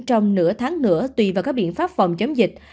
trong nửa tháng nữa tùy vào các biện pháp phòng chống dịch